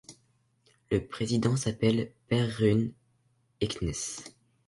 Le président s’appelle Per Rune Eknes.